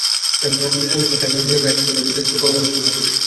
এন্ট্যাঙ্গলমেন্টের হিসাবটা এখানে তেজস্ক্রিয় পরমাণুর সঙ্গে হাতুড়ির।